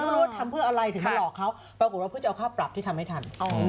ไม่รู้ว่าทำเพื่ออะไรถึงมาหลอกเขาปรากฏว่าเพื่อจะเอาค่าปรับที่ทำให้ทัน